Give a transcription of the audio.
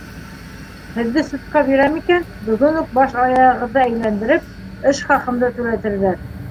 Һеҙҙе судҡа бирәм икән, бөгөн үк баш-аяғығыҙҙы әйләндереп, эш хаҡымды түләтерҙәр.